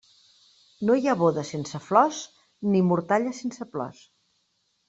No hi ha boda sense flors ni mortalla sense plors.